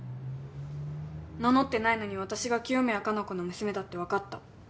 名乗ってないのに私が清宮加奈子の娘だって分かった。